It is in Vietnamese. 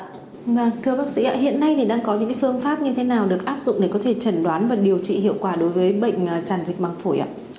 thưa bác sĩ hiện nay thì đang có những phương pháp như thế nào được áp dụng để có thể trần đoán và điều trị hiệu quả đối với bệnh tràn dịch măng phổi ạ